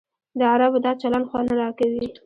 د عربو دا چلند خوند نه راکوي.